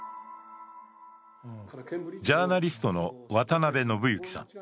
ジャーナリストの渡辺延志さん。